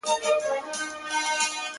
چي يې سم نيمی له ياده يم ايستلی!